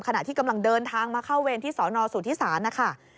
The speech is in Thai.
ขณะที่กำลังเดินทางมาเข้าเวรที่สนสุธิศาลนะคะ